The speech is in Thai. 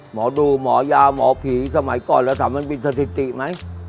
หมอดูหมอยาหมอผีสมัยก่อนเราถามมันมีสถิติไหม